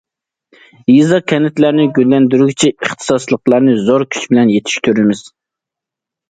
يېزا- كەنتلەرنى گۈللەندۈرگۈچى ئىختىساسلىقلارنى زور كۈچ بىلەن يېتىشتۈرىمىز.